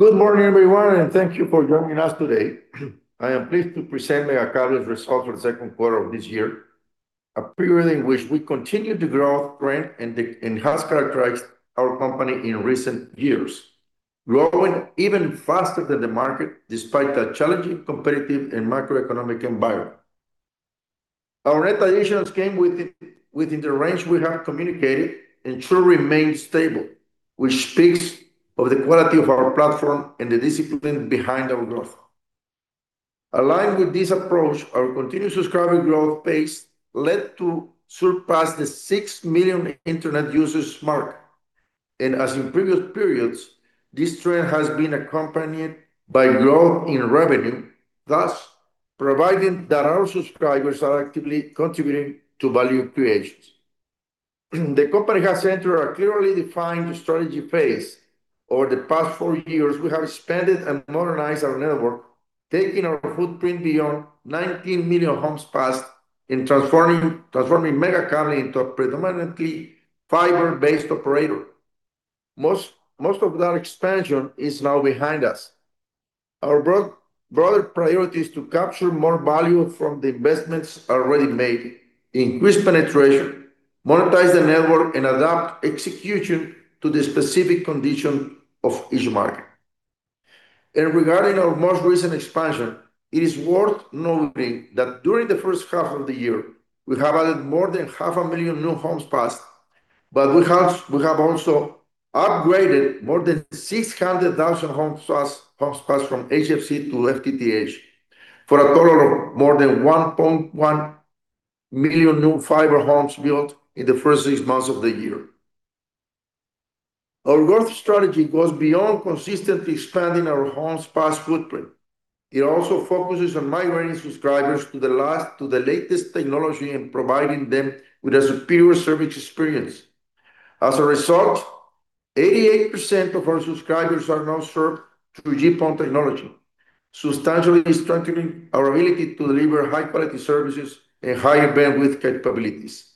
Good morning, everyone, and thank you for joining us today. I am pleased to present Megacable's results for the second quarter of this year, a period in which we continued the growth trend that has characterized our company in recent years, growing even faster than the market despite a challenging competitive and macroeconomic environment. Our operations came within the range we have communicated and still remains stable, which speaks of the quality of our platform and the discipline behind our growth. Aligned with this approach, our continuous subscriber growth pace led to surpass the 6 million internet users mark. As in previous periods, this trend has been accompanied by growth in revenue, thus providing that our subscribers are actively contributing to value creation. The company has entered a clearly defined strategy phase. Over the past four years, we have expanded and modernized our network, taking our footprint beyond 19 million homes passed, and transforming Megacable into a predominantly fiber-based operator. Most of that expansion is now behind us. Our broader priority is to capture more value from the investments already made, increase penetration, monetize the network, and adapt execution to the specific condition of each market. Regarding our most recent expansion, it is worth noting that during the first half of the year, we have added more than half a million new homes passed, but we have also upgraded more than 600,000 homes passed from HFC to FTTH for a total of more than 1.1 million new fiber homes built in the first six months of the year. Our growth strategy goes beyond consistently expanding our homes passed footprint. It also focuses on migrating subscribers to the latest technology and providing them with a superior service experience. As a result, 88% of our subscribers are now served through GPON technology, substantially strengthening our ability to deliver high-quality services and higher bandwidth capabilities.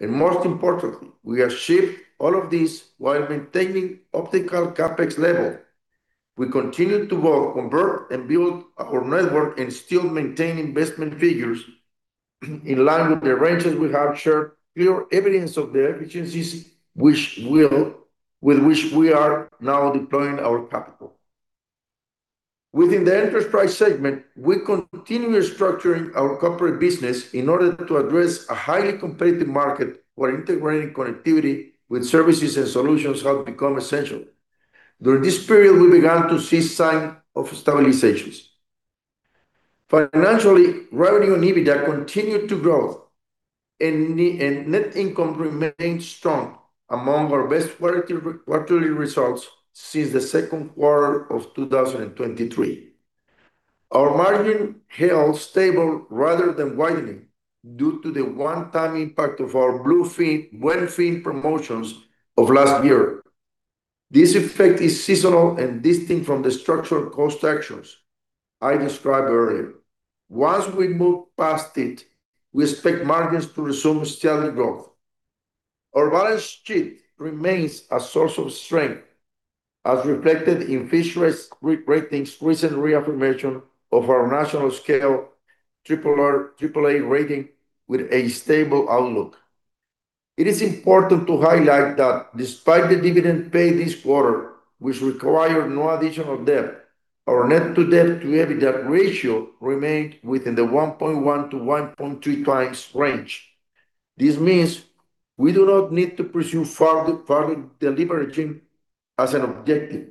Most importantly, we have shifted all of this while maintaining optical CapEx level. We continue to both convert and build our network and still maintain investment figures in line with the ranges we have shared, clear evidence of the efficiencies with which we are now deploying our capital. Within the enterprise segment, we continue structuring our corporate business in order to address a highly competitive market where integrating connectivity with services and solutions have become essential. During this period, we began to see signs of stabilization. Financially, revenue and EBITDA continued to grow, and net income remained strong, among our best quarterly results since the second quarter of 2023. Our margin held stable rather than widening due to the one-time impact of our well-being promotions of last year. This effect is seasonal and distinct from the structural cost actions I described earlier. Once we move past it, we expect margins to resume steady growth. Our balance sheet remains a source of strength, as reflected in Fitch Ratings' recent reaffirmation of our national scale AAA rating with a stable outlook. It is important to highlight that despite the dividend paid this quarter, which required no additional debt, our net debt to EBITDA ratio remained within the 1.1x to 1.3x range. This means we do not need to pursue further deleveraging as an objective.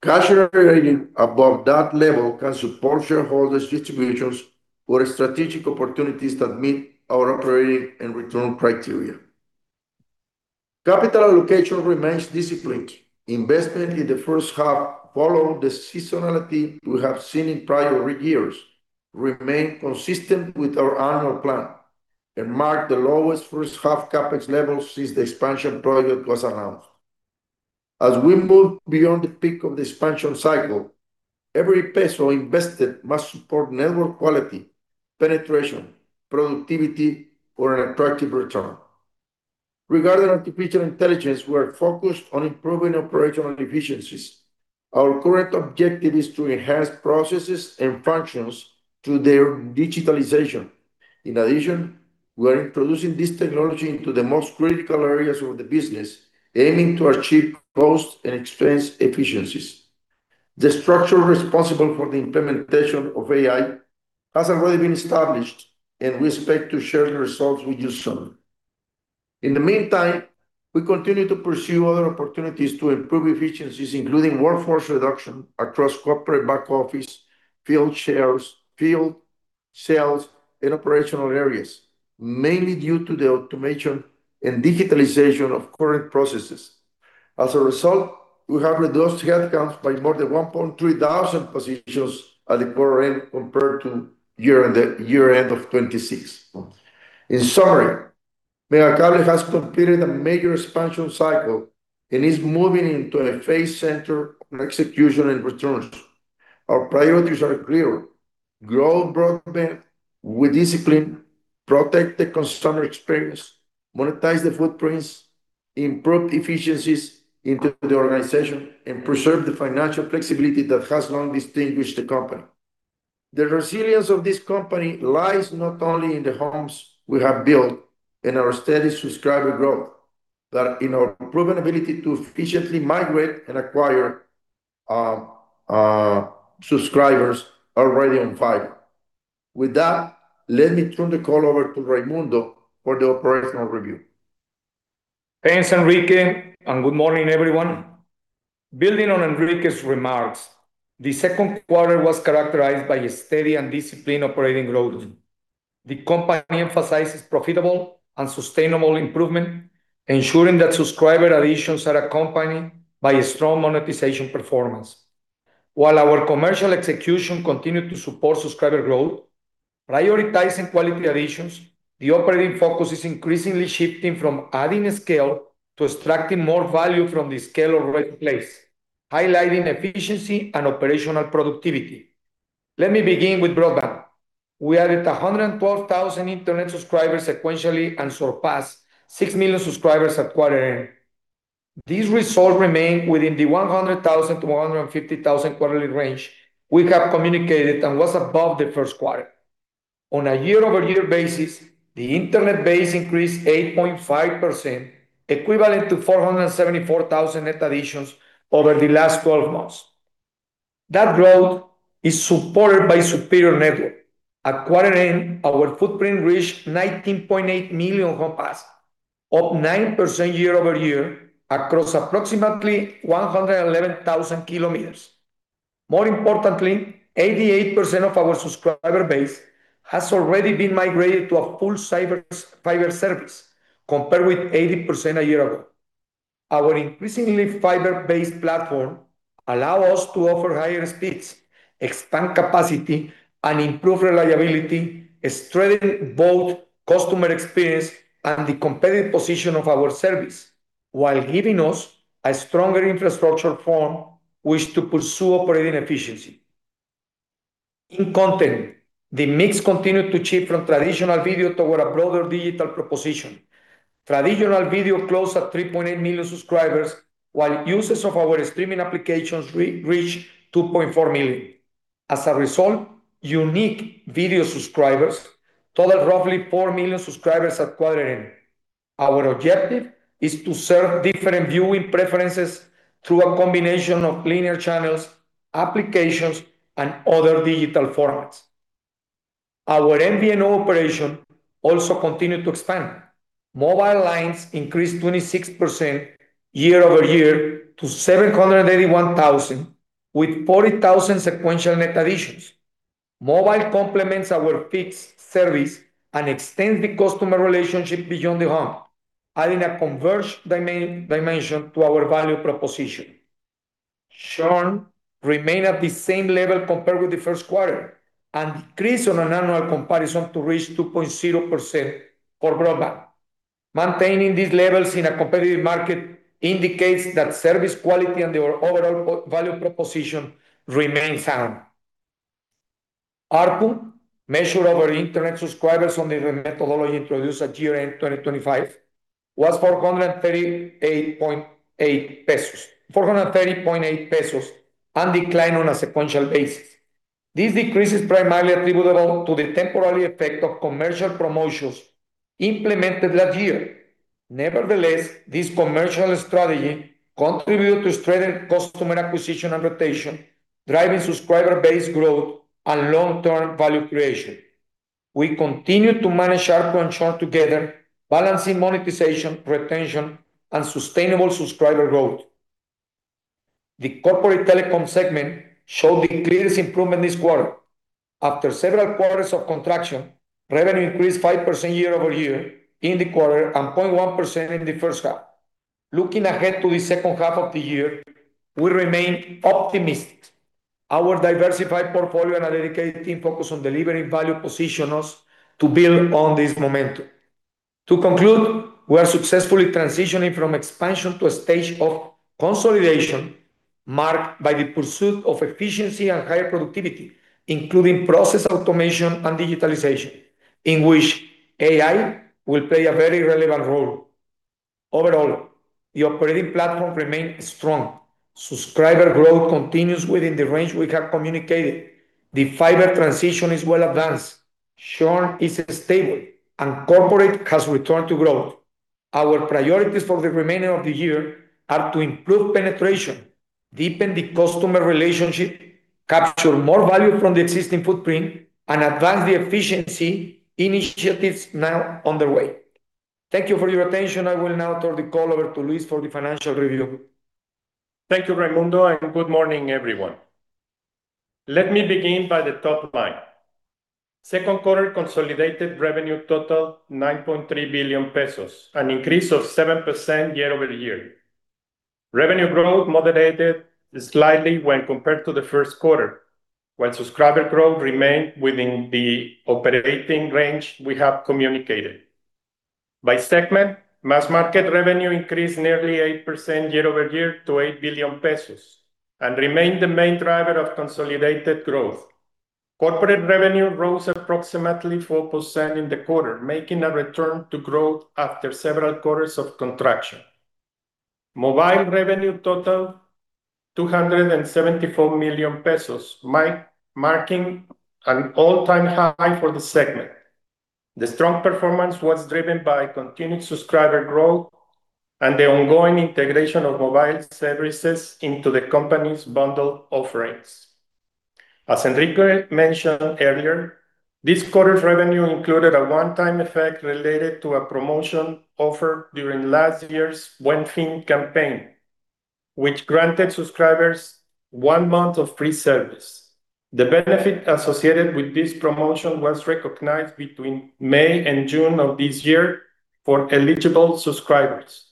Cash generating above that level can support shareholders' distributions for strategic opportunities that meet our operating and return criteria. Capital allocation remains disciplined. Investment in the first half followed the seasonality we have seen in prior years, remained consistent with our annual plan, and marked the lowest first half CapEx level since the expansion project was announced. As we move beyond the peak of the expansion cycle, every peso invested must support network quality, penetration, productivity or an attractive return. Regarding artificial intelligence, we are focused on improving operational efficiencies. Our current objective is to enhance processes and functions through their digitalization. In addition, we are introducing this technology into the most critical areas of the business, aiming to achieve cost and expense efficiencies. The structure responsible for the implementation of AI has already been established, and we expect to share the results with you soon. In the meantime, we continue to pursue other opportunities to improve efficiencies, including workforce reduction across corporate back office, field sales, and operational areas, mainly due to the automation and digitalization of current processes. As a result, we have reduced headcounts by more than 1,300 positions at the quarter-end compared to year-end of 2026. In summary, Megacable has completed a major expansion cycle and is moving into a phase centered on execution and returns. Our priorities are clear Grow broadband with discipline, protect the customer experience, monetize the footprints, improve efficiencies into the organization, and preserve the financial flexibility that has long distinguished the company. The resilience of this company lies not only in the homes we have built and our steady subscriber growth, but in our proven ability to efficiently migrate and acquire subscribers already on fiber. With that, let me turn the call over to Raymundo for the operational review. Thanks, Enrique, and good morning, everyone. Building on Enrique's remarks, the second quarter was characterized by a steady and disciplined operating growth. The company emphasizes profitable and sustainable improvement, ensuring that subscriber additions are accompanied by a strong monetization performance. While our commercial execution continued to support subscriber growth, prioritizing quality additions, the operating focus is increasingly shifting from adding scale to extracting more value from the scale already in place, highlighting efficiency and operational productivity. Let me begin with broadband. We added 112,000 internet subscribers sequentially and surpassed six million subscribers at quarter end. This result remained within the 100,000-150,000 quarterly range we have communicated and was above the first quarter. On a year-over-year basis, the internet base increased 8.5%, equivalent to 474,000 net additions over the last 12 months. That growth is supported by superior network. At quarter end, our footprint reached 19.8 million home passes, up 9% year-over-year across approximately 111,000 km. More importantly, 88% of our subscriber base has already been migrated to a full fiber service, compared with 80% a year ago. Our increasingly fiber-based platform allow us to offer higher speeds, expand capacity, and improve reliability, strengthening both customer experience and the competitive position of our service while giving us a stronger infrastructure form with which to pursue operating efficiency. In content, the mix continued to shift from traditional video toward a broader digital proposition. Traditional video closed at 3.8 million subscribers, while users of our streaming applications reached 2.4 million. As a result, unique video subscribers totaled roughly 4 million subscribers at quarter end. Our objective is to serve different viewing preferences through a combination of linear channels, applications, and other digital formats. Our MVNO operation also continued to expand. Mobile lines increased 26% year-over-year to 781,000, with 40,000 sequential net additions. Mobile complements our fixed service and extends the customer relationship beyond the home, adding a converged dimension to our value proposition. Churn remained at the same level compared with the first quarter and decreased on an annual comparison to reach 2.0% for broadband. Maintaining these levels in a competitive market indicates that service quality and the overall value proposition remain sound. ARPU, measured over internet subscribers on the methodology introduced at year-end 2025, was 438.8 pesos, and declined on a sequential basis. This decrease is primarily attributable to the temporary effect of commercial promotions implemented last year. Nevertheless, this commercial strategy contributed to strengthened customer acquisition and retention, driving subscriber base growth and long-term value creation. We continue to manage ARPU and churn together, balancing monetization, retention, and sustainable subscriber growth. The corporate telecom segment showed the clearest improvement this quarter. After several quarters of contraction, revenue increased 5% year-over-year in the quarter and 0.1% in the first half. Looking ahead to the second half of the year, we remain optimistic. Our diversified portfolio and our dedicated team focused on delivering value position us to build on this momentum. To conclude, we are successfully transitioning from expansion to a stage of consolidation marked by the pursuit of efficiency and higher productivity, including process automation and digitalization, in which AI will play a very relevant role. Overall, the operating platform remains strong. Subscriber growth continues within the range we have communicated. The fiber transition is well advanced. Churn is stable, and corporate has returned to growth. Our priorities for the remainder of the year are to improve penetration, deepen the customer relationship, capture more value from the existing footprint, and advance the efficiency initiatives now underway. Thank you for your attention. I will now turn the call over to Luis for the financial review. Thank you, Raymundo. Good morning, everyone. Let me begin by the top line. Second quarter consolidated revenue totaled 9.3 billion pesos, an increase of 7% year-over-year. Revenue growth moderated slightly when compared to the first quarter. Subscriber growth remained within the operating range we have communicated. By segment, mass market revenue increased nearly 8% year-over-year to 8 billion pesos. Remained the main driver of consolidated growth. Corporate revenue rose approximately 4% in the quarter, making a return to growth after several quarters of contraction. Mobile revenue totaled 274 million pesos, marking an all-time high for the segment. The strong performance was driven by continued subscriber growth and the ongoing integration of mobile services into the company's bundle offerings. As Enrique mentioned earlier, this quarter's revenue included a one-time effect related to a promotion offer during last year's Buen Fin campaign, which granted subscribers one month of free service. The benefit associated with this promotion was recognized between May and June of this year for eligible subscribers.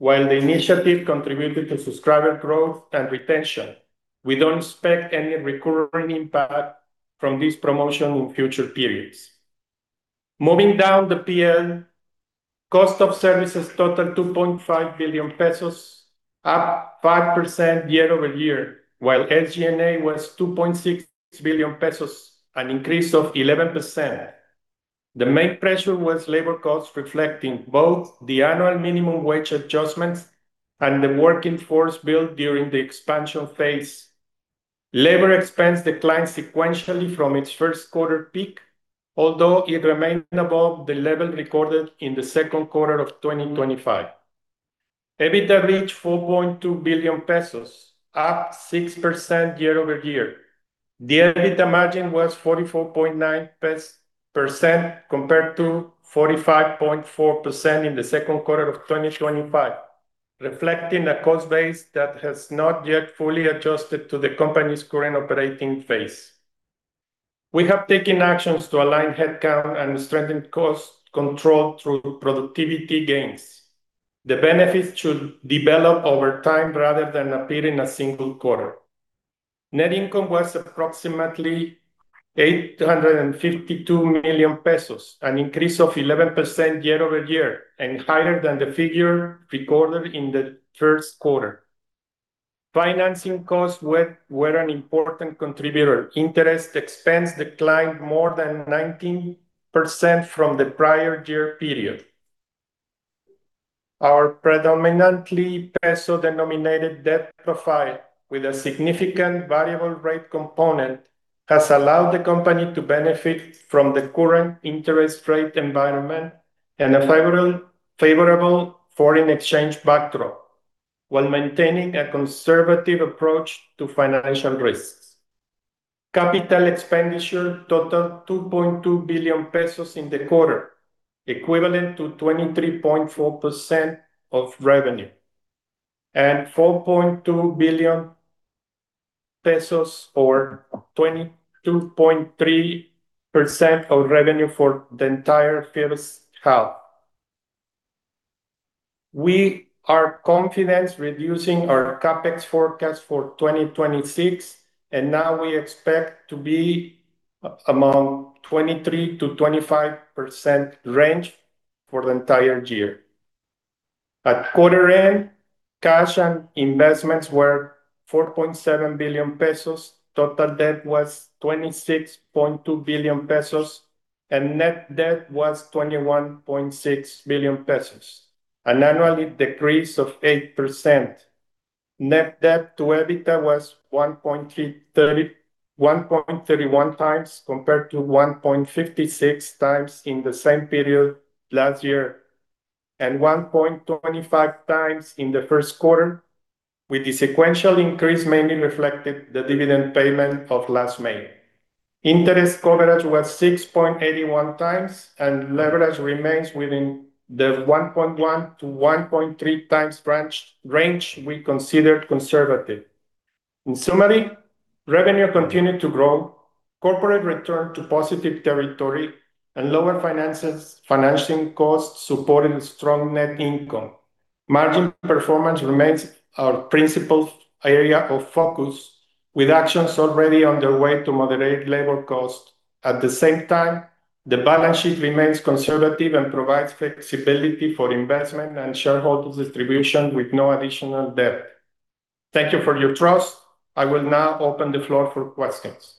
The initiative contributed to subscriber growth and retention, we don't expect any recurring impact from this promotion in future periods. Moving down the P&L, cost of services totaled 2.5 billion pesos, up 5% year-over-year, while SG&A was 2.6 billion pesos, an increase of 11%. The main pressure was labor costs, reflecting both the annual minimum wage adjustments and the working force built during the expansion phase. Labor expense declined sequentially from its first-quarter peak, although it remained above the level recorded in the second quarter of 2025. EBITDA reached 4.2 billion pesos, up 6% year-over-year. The EBITDA margin was 44.9% compared to 45.4% in the second quarter of 2025, reflecting a cost base that has not yet fully adjusted to the company's current operating phase. We have taken actions to align headcount and strengthen cost control through productivity gains. The benefits should develop over time rather than appear in a single quarter. Net income was approximately 852 million pesos, an increase of 11% year-over-year and higher than the figure recorded in the first quarter. Financing costs were an important contributor. Interest expense declined more than 19% from the prior year period. Our predominantly peso-denominated debt profile, with a significant variable rate component, has allowed the company to benefit from the current interest rate environment and a favorable foreign exchange backdrop while maintaining a conservative approach to financial risks. Capital expenditure totaled 2.2 billion pesos in the quarter, equivalent to 23.4% of revenue, and 4.2 billion pesos or 22.3% of revenue for the entire first half. We are confident reducing our CapEx forecast for 2026. Now we expect to be among 23%-25% range for the entire year. At quarter end, cash and investments were 4.7 billion pesos, total debt was 26.2 billion pesos, and net debt was 21.6 billion pesos, an annual decrease of 8%. Net debt to EBITDA was 1.31x, compared to 1.56x in the same period last year and 1.25x in the first quarter, with the sequential increase mainly reflecting the dividend payment of last May. Interest coverage was 6.81x. Leverage remains within the 1.1x to 1.3x range we considered conservative. In summary, revenue continued to grow, corporate returned to positive territory, and lower financing costs supported strong net income. Margin performance remains our principal area of focus, with actions already underway to moderate labor cost. At the same time, the balance sheet remains conservative and provides flexibility for investment and shareholder distribution with no additional debt. Thank you for your trust. I will now open the floor for questions.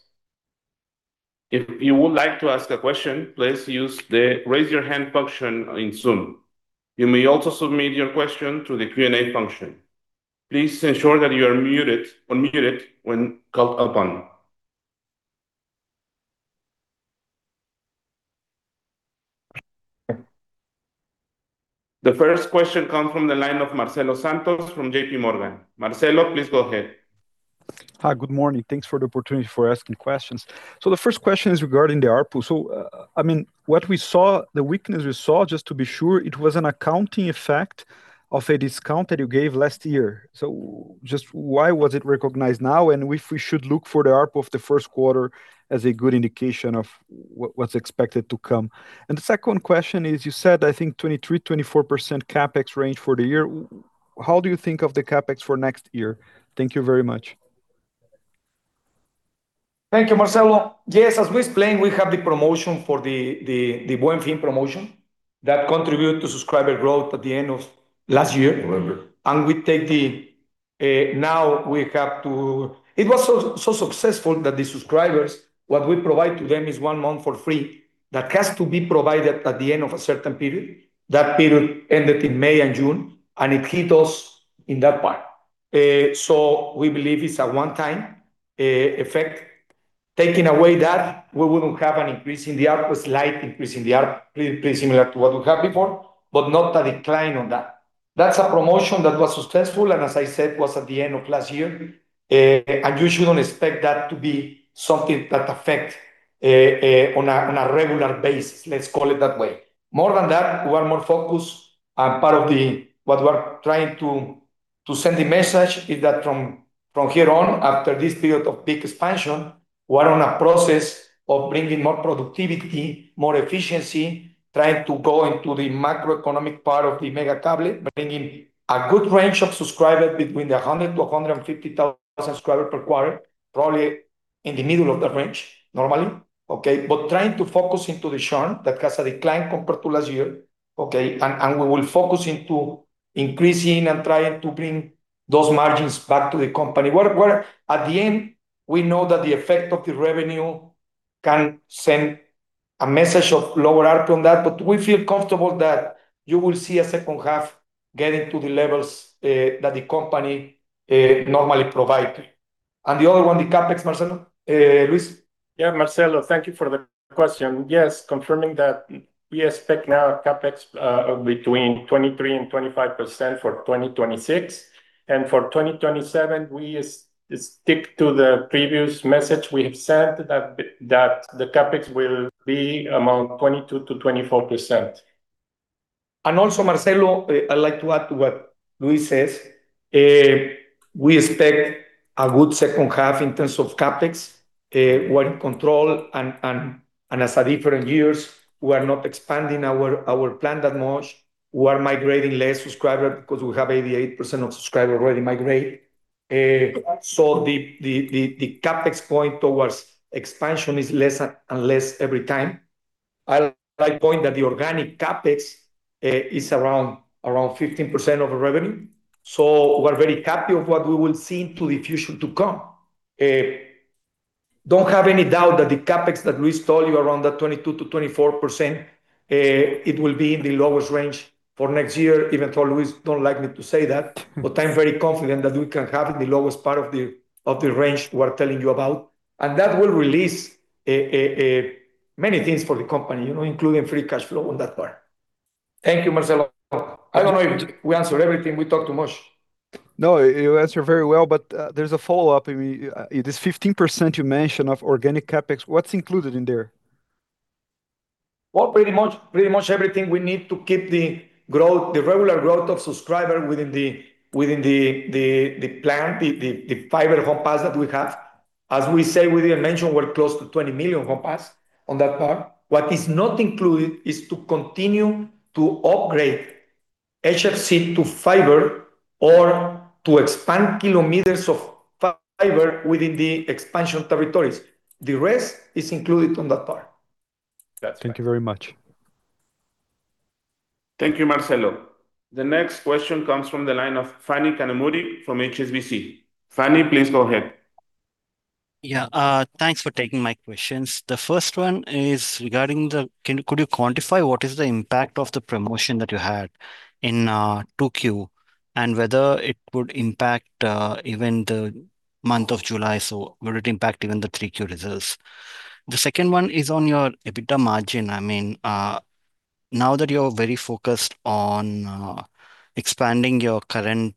If you would like to ask a question, please use the Raise Your Hand function in Zoom. You may also submit your question through the Q&A function. Please ensure that you are unmuted when called upon. The first question comes from the line of Marcelo Santos from JPMorgan. Marcelo, please go ahead. Hi. Good morning. Thanks for the opportunity for asking questions. The first question is regarding the ARPU. The weakness we saw, just to be sure, it was an accounting effect of a discount that you gave last year. Just why was it recognized now? If we should look for the ARPU of the first quarter as a good indication of what's expected to come. The second question is, you said, I think 23%-24% CapEx range for the year. How do you think of the CapEx for next year? Thank you very much. Thank you, Marcelo. Yes, as we explained, we have the promotion for the Buen Fin promotion that contributed to subscriber growth at the end of last year. November. Now we have to It was so successful that the subscribers, what we provide to them is one month for free. That has to be provided at the end of a certain period. That period ended in May and June, and it hit us in that part. We believe it's a one-time effect. Taking away that, we wouldn't have an increase in the ARPU, slight increase in the ARPU, pretty similar to what we had before, but not a decline on that. That's a promotion that was successful, and as I said, was at the end of last year, and you shouldn't expect that to be something that affect on a regular basis. Let's call it that way. More than that, we are more focused, part of what we're trying to send the message is that from here on, after this period of big expansion, we're on a process of bringing more productivity, more efficiency, trying to go into the macroeconomic part of Megacable, bringing a good range of subscribers between the 100,000-150,000 subscribers per quarter, probably in the middle of that range, normally. Okay. Trying to focus into the churn that has a decline compared to last year. Okay. We will focus into increasing and trying to bring those margins back to the company, where at the end, we know that the effect of the revenue can send a message of lower ARPU on that. We feel comfortable that you will see a second half getting to the levels that the company normally provide. The other one, the CapEx, Marcelo. Luis? Marcelo, thank you for the question. Yes, confirming that we expect now CapEx of between 23% and 25% for 2026. For 2027, we stick to the previous message we have said that the CapEx will be among 22%-24%. Also, Marcelo, I'd like to add to what Luis says. We expect a good second half in terms of CapEx. We're in control and as different years, we are not expanding our plan that much. We are migrating less subscriber because we have 88% of subscriber already migrate. The CapEx point towards expansion is less and less every time. I like point that the organic CapEx is around 15% of revenue. We're very happy of what we will see into the future to come. Don't have any doubt that the CapEx that Luis told you around that 22%-24%, it will be in the lowest range for next year, even though Luis don't like me to say that. I'm very confident that we can have the lowest part of the range we're telling you about, and that will release many things for the company, including free cash flow on that part. Thank you, Marcelo. I don't know if we answered everything. We talk too much. No, you answer very well, but there's a follow-up. This 15% you mentioned of organic CapEx, what's included in there? Well, pretty much everything we need to keep the regular growth of subscriber within the plan, the fiber home pass that we have. As we say, we didn't mention we're close to 20 million home pass on that part. What is not included is to continue to upgrade HFC to fiber or to expand kilometers of fiber within the expansion territories. The rest is included on that part. Thank you very much. Thank you, Marcelo. The next question comes from the line of Phani Kanumuri from HSBC. Phani, please go ahead. Yeah. Thanks for taking my questions. The first one is regarding the, could you quantify what is the impact of the promotion that you had in 2Q, and whether it would impact even the month of July? Would it impact even the 3Q results? The second one is on your EBITDA margin. Now that you're very focused on expanding your current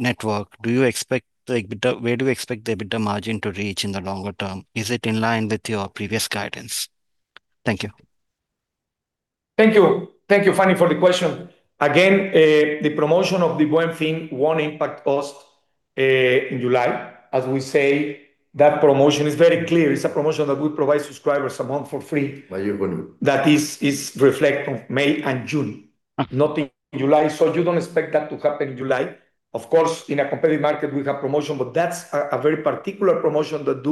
network, where do you expect the EBITDA margin to reach in the longer term? Is it in line with your previous guidance? Thank you. Thank you. Thank you, Phani, for the question. Again, the promotion of the Buen Fin won't impact us in July. As we say, that promotion is very clear. It's a promotion that we provide subscribers a month for free. A year. That is a reflection of May and June, not in July. You don't expect that to happen in July. Of course, in a competitive market, we have promotions, but that's a very particular promotion that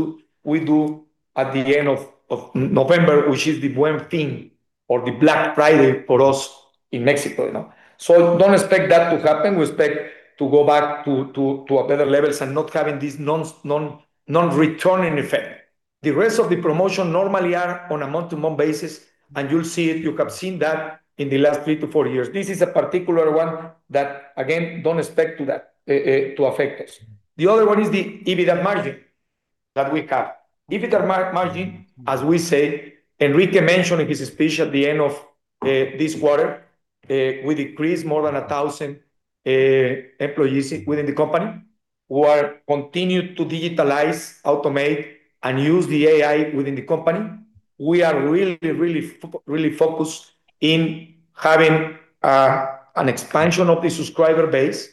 we do at the end of November, which is the Buen Fin or the Black Friday for us in Mexico. Don't expect that to happen. We expect to go back to better levels and not having this non-returning effect. The rest of the promotions normally are on a month-to-month basis, and you'll see it. You have seen that in the last three to four years. This is a particular one that, again, don't expect to affect us. The other one is the EBITDA margin that we have. EBITDA margin, as we say, Enrique mentioned in his speech at the end of this quarter, we decreased more than 1,000 employees within the company who are continuing to digitalize, automate, and use the AI within the company. We are really, really focused on having an expansion of the subscriber base,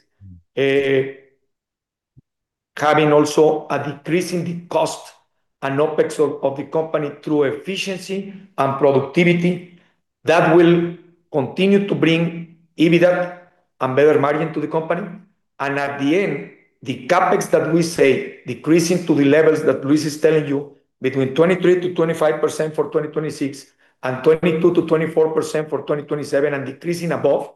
having also a decrease in the cost and OPEX of the company through efficiency and productivity. That will continue to bring EBITDA and better margin to the company. At the end, the CapEx that we say decreasing to the levels that Luis is telling you, between 23%-25% for 2026 and 22%-24% for 2027 and decreasing above,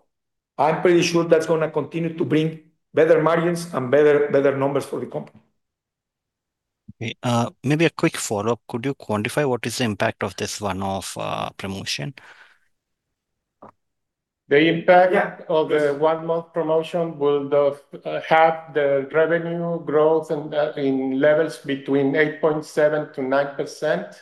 I'm pretty sure that's going to continue to bring better margins and better numbers for the company. Okay. Maybe a quick follow-up. Could you quantify what is the impact of this one-off promotion? The impact- Yeah of the one-month promotion will have the revenue growth in levels between 8.7%-9%.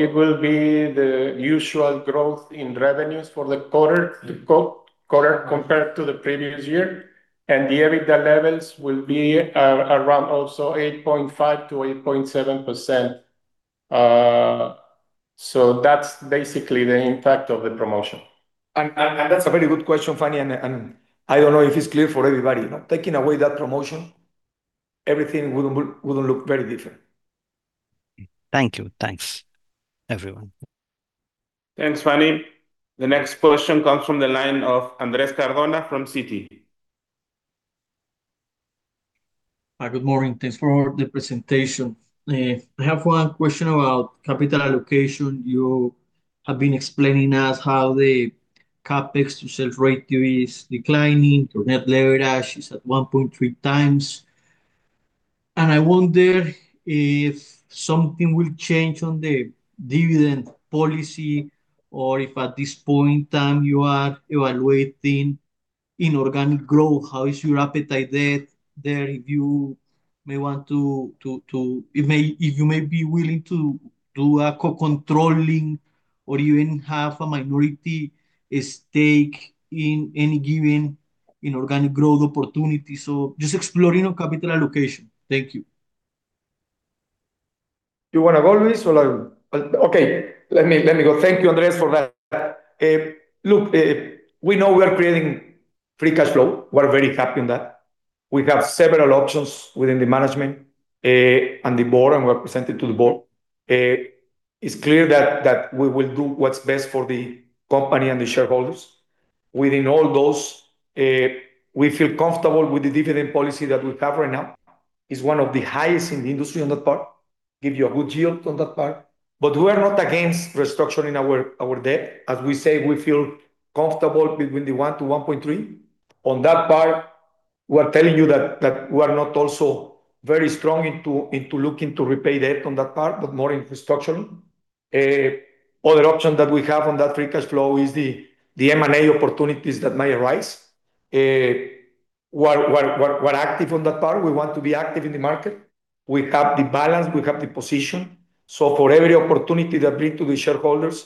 It will be the usual growth in revenues for the quarter compared to the previous year, and the EBITDA levels will be around also 8.5%-8.7%. That's basically the impact of the promotion. That's a very good question, Phani, and I don't know if it's clear for everybody. Taking away that promotion, everything wouldn't look very different. Thank you. Thanks, everyone. Thanks, Phani. The next question comes from the line of Andrés Cardona from Citi. Hi, good morning. Thanks for the presentation. I have one question about capital allocation. You have been explaining us how the CapEx to sales ratio is declining, your net leverage is at 1.3x. I wonder if something will change on the dividend policy, or if at this point in time you are evaluating inorganic growth, how is your appetite there if you may be willing to do a co-controlling or even have a minority stake in any given inorganic growth opportunity? Just exploring on capital allocation. Thank you. Do you want to go, Luis, or I Okay. Let me go. Thank you, Andres, for that. We know we are creating free cash flow. We are very happy in that. We have several options within the management, and the board, and we are presenting to the board. It is clear that we will do what is best for the company and the shareholders. Within all those, we feel comfortable with the dividend policy that we have right now. It is one of the highest in the industry on that part, give you a good yield on that part. We are not against restructuring our debt. As we say, we feel comfortable between the 1 to 1.3. On that part, we are telling you that we are not also very strong into looking to repay debt on that part, but more infrastructure. Other option that we have on that free cash flow is the M&A opportunities that may arise. We are active on that part. We want to be active in the market. We have the balance, we have the position. For every opportunity that bring to the shareholders,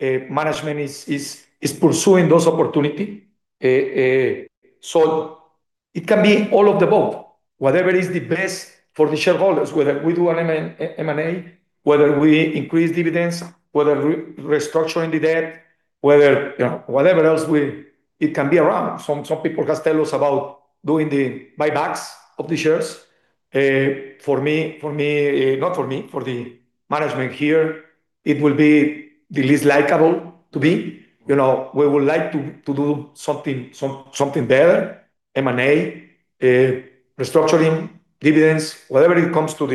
management is pursuing those opportunity. It can be all of the above. Whatever is the best for the shareholders, whether we do an M&A, whether we increase dividends, whether restructuring the debt, whatever else it can be around. Some people can tell us about doing the buybacks of the shares. For me, not for me, for the management here, it will be the least likable to be. We would like to do something better, M&A, restructuring dividends, whatever it comes to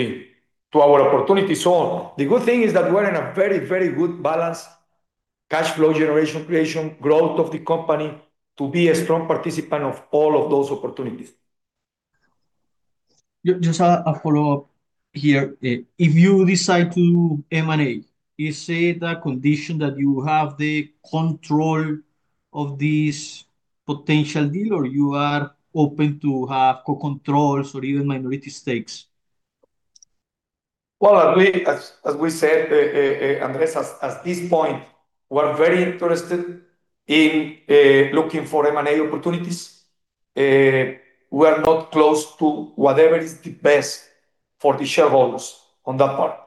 our opportunities. The good thing is that we are in a very, very good balance, cash flow generation creation, growth of the company, to be a strong participant of all of those opportunities. Just a follow-up here. If you decide to M&A, is it a condition that you have the control of this potential deal or you are open to have co-controls or even minority stakes? Well, as we said, Andres, at this point, we're very interested in looking for M&A opportunities. We are not close to whatever is the best for the shareholders on that part.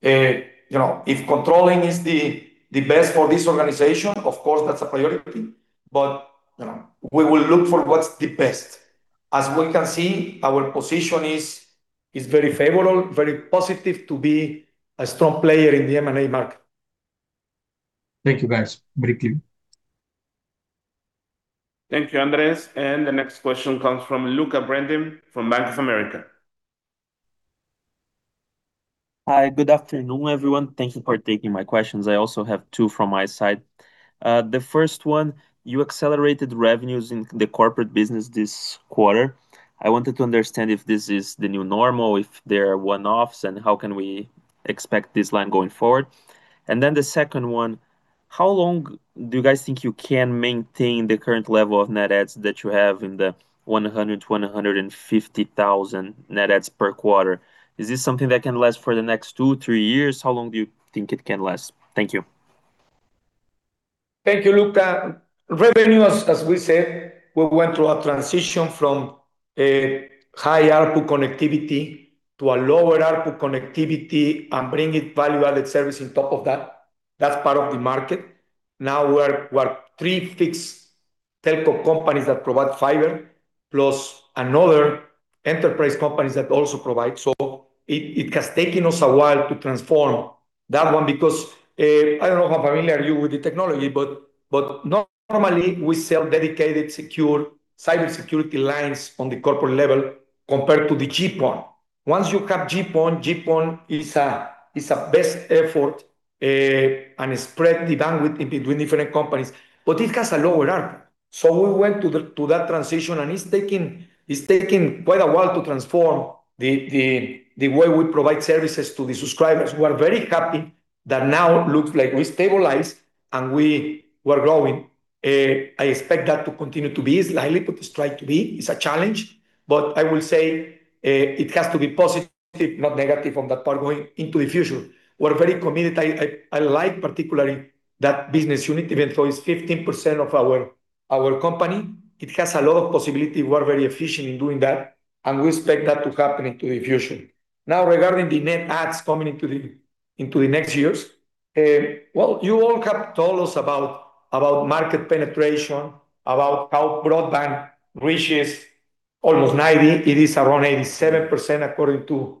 If controlling is the best for this organization, of course, that's a priority, but we will look for what's the best. As we can see, our position is very favorable, very positive to be a strong player in the M&A market. Thank you, guys. Very clear. Thank you, Andres. The next question comes from Lucca Brendim from Bank of America. Hi, good afternoon, everyone. Thank you for taking my questions. I also have two from my side. The first one, you accelerated revenues in the corporate business this quarter. I wanted to understand if this is the new normal, if they are one-offs, and how can we expect this line going forward. The second one, how long do you guys think you can maintain the current level of net adds that you have in the 100,000 to 150,000 net adds per quarter? Is this something that can last for the next two, three years? How long do you think it can last? Thank you. Thank you, Lucca. Revenue, as we said, we went through a transition from a high ARPU connectivity to a lower ARPU connectivity and bring it value-added service on top of that. That's part of the market. Now we're three fixed Telco companies that provide fiber, plus another enterprise companies that also provide. It has taken us a while to transform that one, because I don't know how familiar are you with the technology, but normally we sell dedicated, secure cybersecurity lines on the corporate level compared to the GPON. Once you have GPON is a best effort and spread the bandwidth in between different companies, but it has a lower MRC. We went to that transition, and it's taking quite a while to transform the way we provide services to the subscribers, who are very happy that now looks like we stabilize and we were growing. I expect that to continue to be slightly, but it's trying to be. It's a challenge, but I will say it has to be positive, not negative on that part going into the future. We're very committed. I like particularly that business unit, even though it's 15% of our company. It has a lot of possibility. We're very efficient in doing that, and we expect that to happen into the future. Regarding the net adds coming into the next years, well, you all have told us about market penetration, about how broadband reaches almost 90. It is around 87%, according to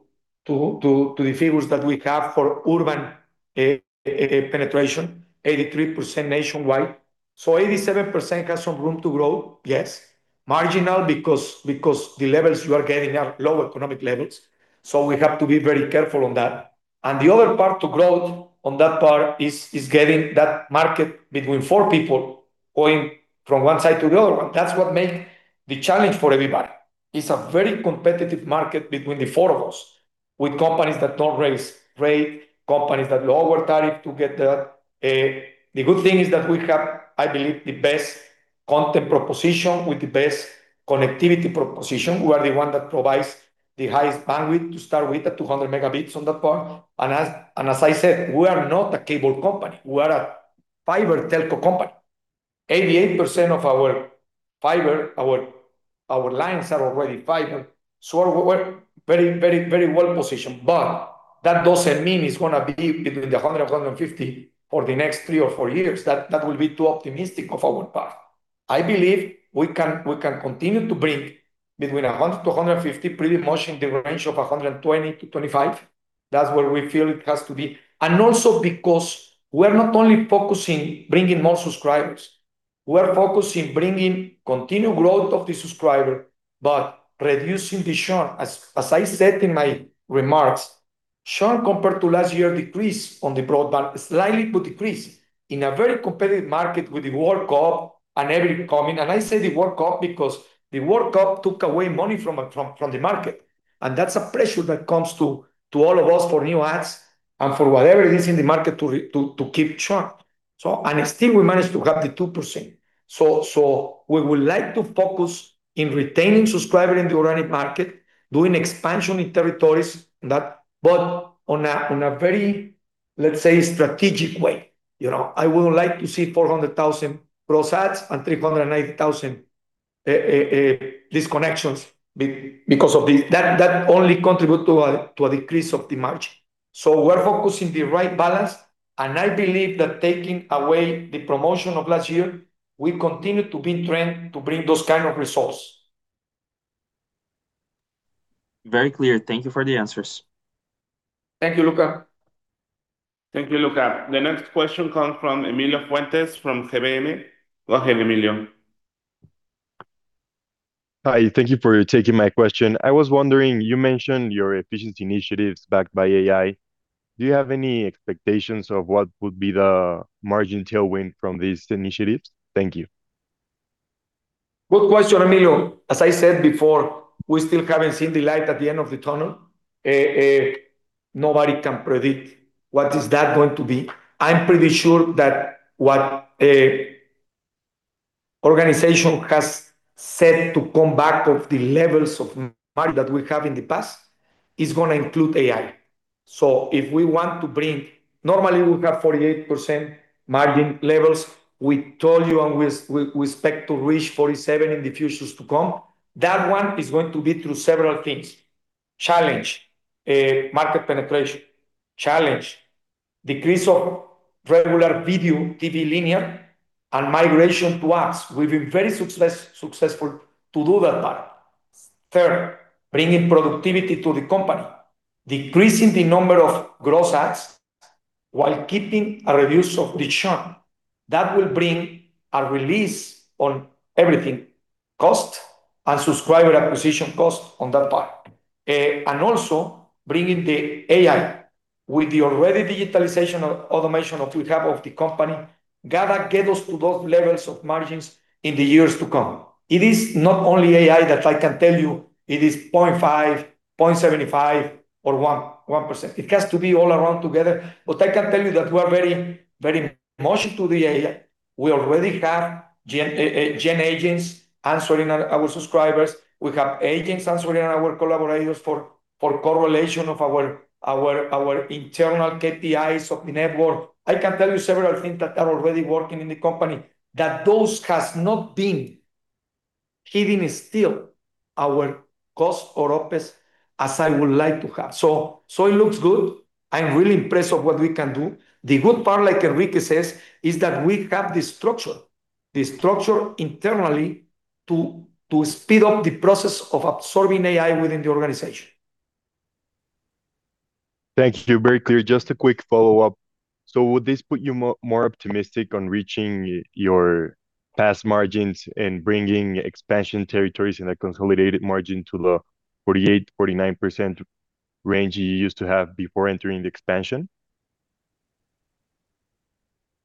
the figures that we have for urban penetration, 83% nationwide. 87% has some room to grow, yes. Marginal because the levels you are getting are low economic levels, so we have to be very careful on that. The other part to growth on that part is getting that market between four people going from one side to the other one. That's what make the challenge for everybody. It's a very competitive market between the four of us, with companies that don't raise rate, companies that lower tariff to get that. The good thing is that we have, I believe, the best content proposition with the best connectivity proposition. We are the one that provides the highest bandwidth to start with, at 200 Mb on that part. As I said, we are not a cable company. We are a fiber telco company. 88% of our fiber, our lines are already fiber. We're very well positioned. That doesn't mean it's going to be between 100, 150 for the next three or four years. That will be too optimistic of our part. I believe we can continue to bring between 100-150, pretty much in the range of 120-125. That's where we feel it has to be. Also because we're not only focusing bringing more subscribers, we're focusing bringing continued growth of the subscriber, but reducing the churn. As I said in my remarks, churn compared to last year decreased on the broadband, slightly but decreased in a very competitive market with the World Cup and everything coming. I say the World Cup because the World Cup took away money from the market, and that's a pressure that comes to all of us for new adds and for whatever it is in the market to keep churn. Still, we managed to have the 2%. We would like to focus in retaining subscriber in the organic market, doing expansion in territories, but on a very, let's say, strategic way. I wouldn't like to see 400,000 gross adds and 380,000 disconnections. That only contribute to a decrease of the margin. We're focusing the right balance, and I believe that taking away the promotion of last year, we continue to be in trend to bring those kind of results. Very clear. Thank you for the answers. Thank you, Lucca. Thank you, Lucca. The next question comes from Emilio Fuentes from GBM. Go ahead, Emilio. Hi. Thank you for taking my question. I was wondering, you mentioned your efficiency initiatives backed by AI. Do you have any expectations of what would be the margin tailwind from these initiatives? Thank you. Good question, Emilio. As I said before, we still haven't seen the light at the end of the tunnel. Nobody can predict what is that going to be. I'm pretty sure that what organization has set to come back of the levels of money that we have in the past is going to include AI. If we want to bring Normally, we have 48% margin levels. We told you and we expect to reach 47% in the futures to come. That one is going to be through several things. Challenge, market penetration. Challenge, decrease of regular video, TV linear, and migration to us. We've been very successful to do that part. Third, bringing productivity to the company. Decreasing the number of gross adds while keeping a reduce of the churn. That will bring a release on everything. Cost and subscriber acquisition cost on that part. Also bringing the AI with the already digitalization or automation that we have of the company, got to get us to those levels of margins in the years to come. It is not only AI that I can tell you it is 0.5%, 0.75%, or 1%. It has to be all around together. I can tell you that we are very much into the AI. We already have GenAI agents answering our subscribers. We have agents answering our collaborators for correlation of our internal KPIs of the network. I can tell you several things that are already working in the company, that those has not been Hidden is still our cost or OpEx as I would like to have. It looks good. I'm really impressed of what we can do. The good part, like Enrique says, is that we have the structure internally to speed up the process of absorbing AI within the organization. Thank you. Very clear. Just a quick follow-up. Would this put you more optimistic on reaching your past margins and bringing expansion territories and a consolidated margin to the 48%-49% range you used to have before entering the expansion?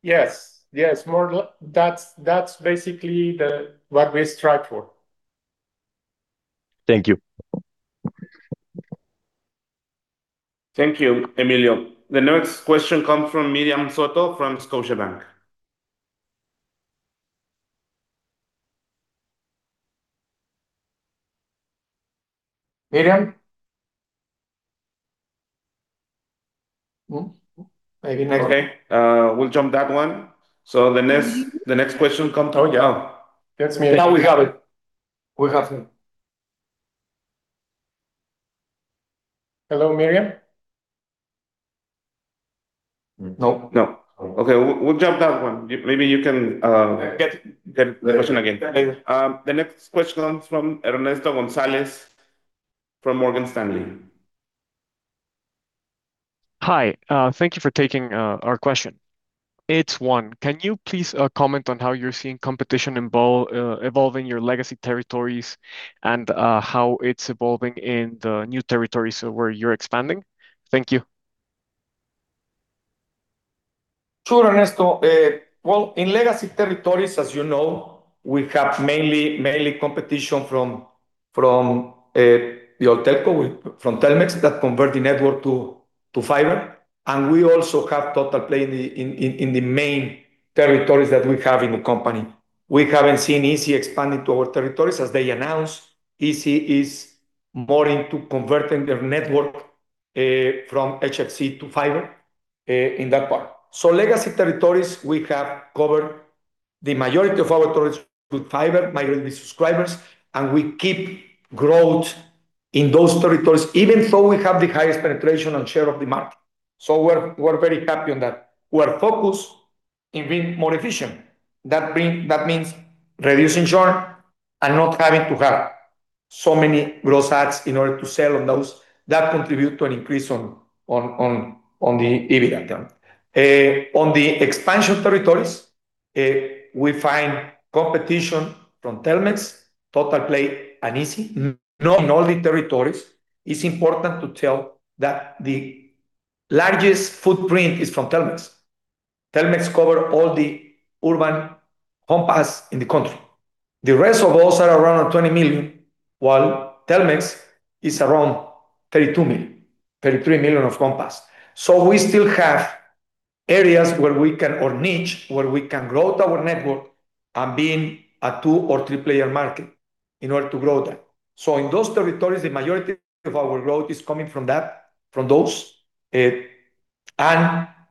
Yes. That's basically what we strive for. Thank you. Thank you, Emilio. The next question comes from Miriam Soto from Scotiabank. Miriam? Hmm. Maybe not. Okay. We'll jump that one. Oh, yeah. That's me. Now we have it. We have him. Hello, Miriam? No. Okay. We'll jump that one. Maybe you can get the question again. The next question comes from Ernesto Gonzalez from Morgan Stanley. Hi. Thank you for taking our question. It's one. Can you please comment on how you're seeing competition evolving your legacy territories and how it's evolving in the new territories where you're expanding? Thank you. Sure, Ernesto. Well, in legacy territories, as you know, we have mainly competition from the old telco, from Telmex, that convert the network to fiber, and we also have Totalplay in the main territories that we have in the company. We haven't seen izzi expand into our territories, as they announced. izzi is more into converting their network from HFC to fiber in that part. Legacy territories, we have covered the majority of our territories with fiber, majority subscribers, and we keep growth in those territories even though we have the highest penetration and share of the market. We're very happy on that. We are focused in being more efficient. That means reducing churn and not having to have so many growth hacks in order to sell on those. That contribute to an increase on the EBITDA term. On the expansion territories, we find competition from Telmex, Totalplay, and izzi. Not in all the territories. It's important to tell that the largest footprint is from Telmex. Telmex cover all the urban home pass in the country. The rest of us are around at 20 million, while Telmex is around 32 million, 33 million of home pass. We still have areas where we can niche, where we can grow our network, and being a two or three-player market in order to grow that. In those territories, the majority of our growth is coming from those.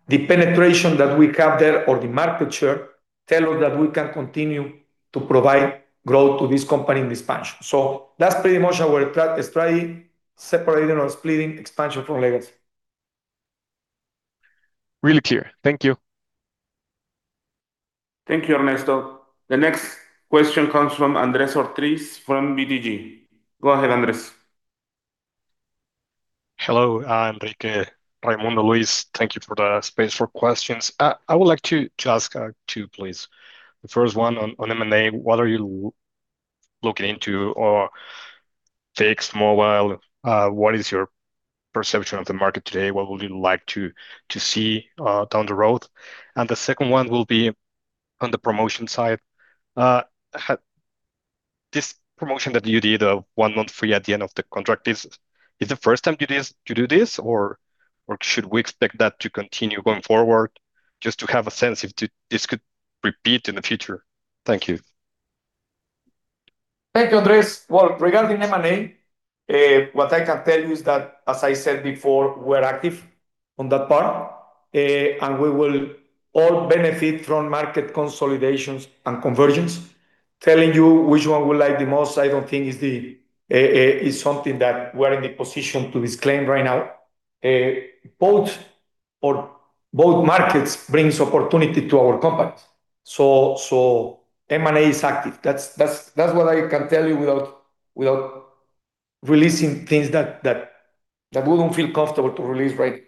The penetration that we have there or the market share tell us that we can continue to provide growth to this company in expansion. That's pretty much our strategy, separating or splitting expansion from legacy. Really clear. Thank you. Thank you, Ernesto. The next question comes from Andres Ortiz from BTG. Go ahead, Andres. Hello, Enrique, Raymundo, Luis. Thank you for the space for questions. I would like to ask two, please. The first one on M&A, what are you looking into or fixed mobile? What is your perception of the market today? What would you like to see down the road? The second one will be on the promotion side. This promotion that you did, one month free at the end of the contract, is this the first time to do this, or should we expect that to continue going forward? Just to have a sense if this could repeat in the future. Thank you. Thank you, Andres. Well, regarding M&A, what I can tell you is that, as I said before, we're active on that part, we will all benefit from market consolidations and conversions. Telling you which one we like the most, I don't think is something that we're in the position to disclaim right now. Both markets brings opportunity to our company. M&A is active. That's what I can tell you without releasing things that we wouldn't feel comfortable to release right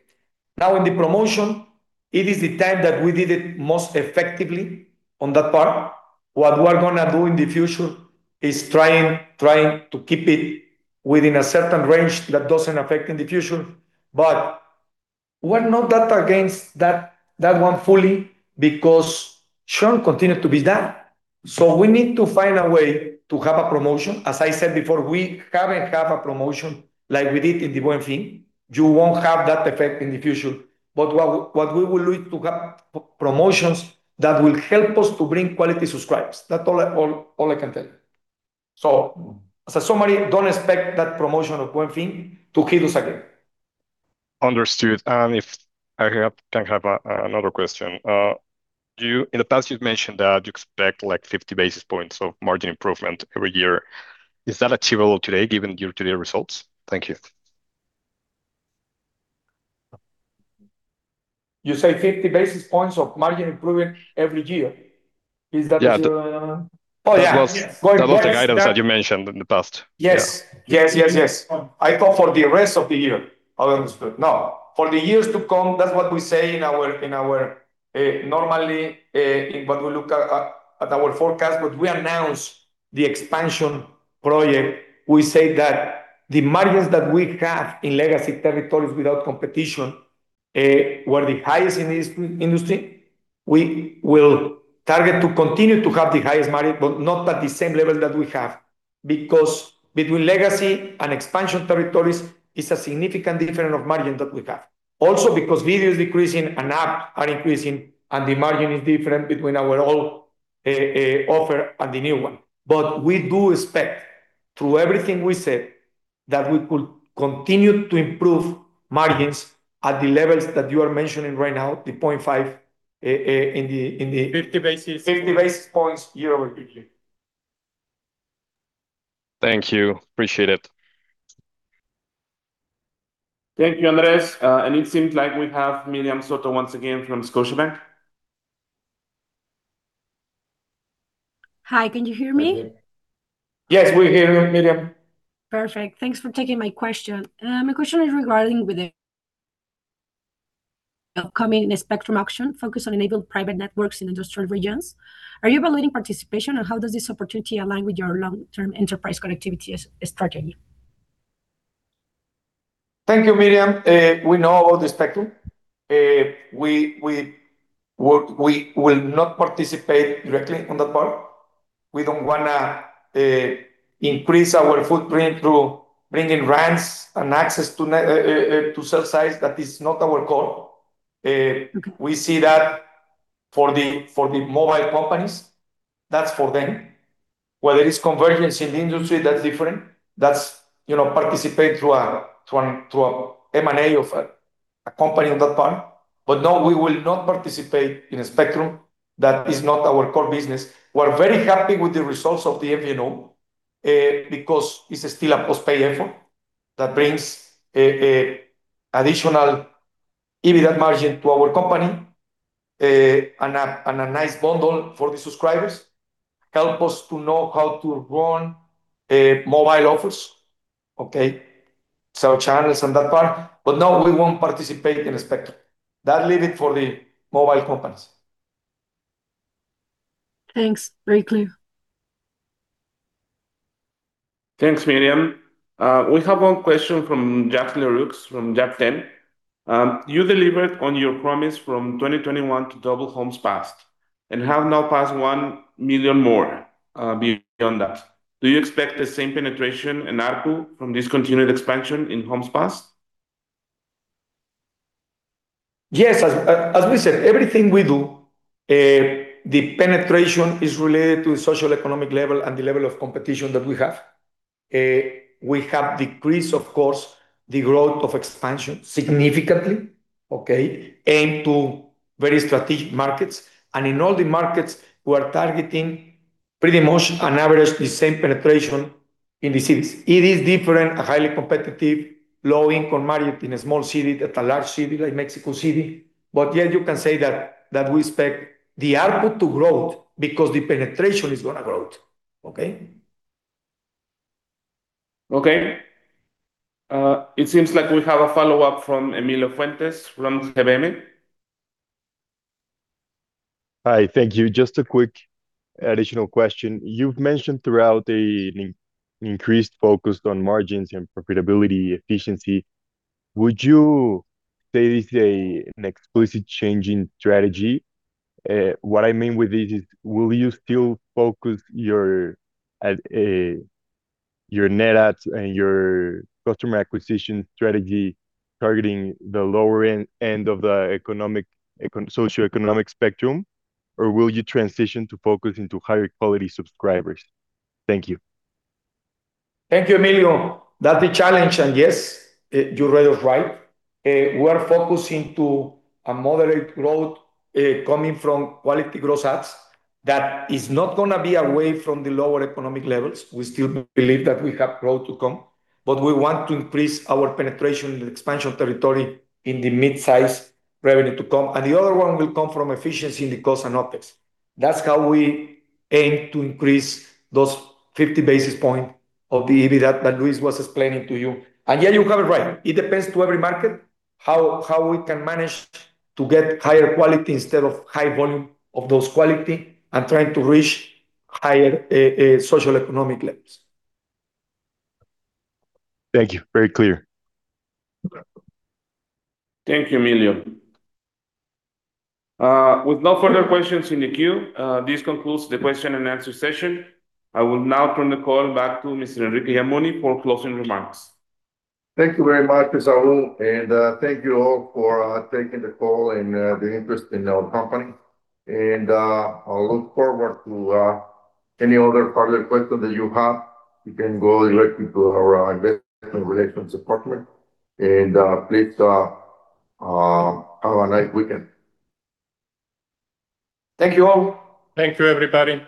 now. In the promotion, it is the time that we did it most effectively on that part. What we are going to do in the future is trying to keep it within a certain range that doesn't affect in the future. We're not that against that one fully because churn continued to be down. We need to find a way to have a promotion. As I said before, we can't have a promotion like we did in the Buen Fin. You won't have that effect in the future. What we will do to have promotions that will help us to bring quality subscribers. That's all I can tell you. As a summary, don't expect that promotion of Buen Fin to hit us again. Understood. If I can have another question. In the past, you've mentioned that you expect 50 basis points of margin improvement every year. Is that achievable today given year-to-date results? Thank you. You say 50 basis points of margin improvement every year. Is that? Yeah. Oh, yeah. That was the guidance that you mentioned in the past. Yes. I thought for the rest of the year. Oh, understood. No, for the years to come, that's what we say in our normally, in what we look at our forecast, but we announce the expansion project, we say that the margins that we have in legacy territories without competition were the highest in the industry. We will target to continue to have the highest margin, but not at the same level that we have. Because between legacy and expansion territories is a significant difference of margin that we have. Also because video is decreasing and apps are increasing, and the margin is different between our old offer and the new one. We do expect, through everything we said, that we could continue to improve margins at the levels that you are mentioning right now, the 0.5 in the- 50 basis 50 basis points year-over-year. Thank you. Appreciate it. Thank you, Andres. It seems like we have Miriam Soto once again from Scotiabank. Hi. Can you hear me? Yes, we hear you, Miriam. Perfect. Thanks for taking my question. My question is regarding with the upcoming spectrum auction focused on enabling private networks in industrial regions. Are you evaluating participation, and how does this opportunity align with your long-term enterprise connectivity strategy? Thank you, Miriam. We know about the spectrum. We will not participate directly on that part. We don't want to increase our footprint through bringing rents and access to cell sites. That is not our core. Okay. We see that for the mobile companies, that's for them. Where there is convergence in the industry, that's different. That's participate through a M&A of a company on that part. No, we will not participate in a spectrum. That is not our core business. We're very happy with the results of the MVNO, because it's still a post-pay effort that brings additional EBITDA margin to our company, and a nice bundle for the subscribers, help us to know how to run mobile offers, okay, sell channels on that part. No, we won't participate in a spectrum. That leave it for the mobile companies. Thanks. Very clear. Thanks, Miriam. We have one question from Jacqueline Rooks from Jack Ten. You delivered on your promise from 2021 to double homes passed, and have now passed 1 million more beyond that. Do you expect the same penetration in ARPU from this continued expansion in homes passed? Yes. As we said, everything we do, the penetration is related to socioeconomic level and the level of competition that we have. We have decreased, of course, the growth of expansion significantly, okay, aimed to very strategic markets. In all the markets we are targeting, pretty much on average, the same penetration in the cities. It is different, a highly competitive, low-income area in a small city than a large city like Mexico City. Yeah, you can say that we expect the ARPU to grow because the penetration is going to grow. Okay? Okay. It seems like we have a follow-up from Emilio Fuentes from GBM. Hi. Thank you. Just a quick additional question. You've mentioned throughout an increased focus on margins and profitability efficiency. Would you say this is an explicit change in strategy? What I mean with this is, will you still focus your net adds and your customer acquisition strategy targeting the lower end of the socioeconomic spectrum, or will you transition to focus into higher quality subscribers? Thank you. Thank you, Emilio. That's a challenge. Yes, you're right. We're focusing to a moderate growth, coming from quality growth adds. That is not going to be away from the lower economic levels. We still believe that we have growth to come, but we want to increase our penetration in the expansion territory in the mid-size revenue to come, and the other one will come from efficiency in the cost and OpEx. That's how we aim to increase those 50 basis point of the EBITDA that Luis was explaining to you. Yeah, you got it right. It depends to every market, how we can manage to get higher quality instead of high volume of those quality, and trying to reach higher socioeconomic levels. Thank you. Very clear. Thank you, Emilio. With no further questions in the queue, this concludes the question-and-answer session. I will now turn the call back to Mr. Enrique Yamuni for closing remarks. Thank you very much, Saul. Thank you all for taking the call and the interest in our company. I'll look forward to any other further questions that you have. You can go directly to our investment relations department. Please have a nice weekend. Thank you all. Thank you, everybody.